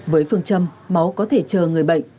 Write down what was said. với phương châm máu có thể chờ người bệnh